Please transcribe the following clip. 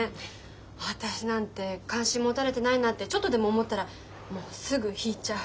私なんて関心持たれてないなんてちょっとでも思ったらもうすぐ引いちゃう。